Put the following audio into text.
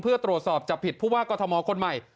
เพื่อตรวจสอบจับผิดผู้ว่ากอทมคนใหม่